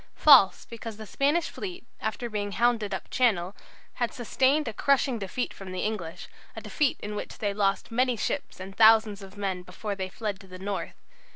False, because the Spanish fleet, after being hounded up Channel, had sustained a crushing defeat from the English, a defeat in which they lost many ships and thousands of men before they fled to the north....